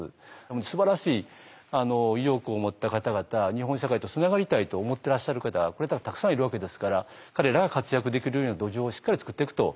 すばらしい意欲を持った方々日本社会とつながりたいと思ってらっしゃる方がこれだけたくさんいるわけですから彼らが活躍できるような土壌をしっかり作っていくと。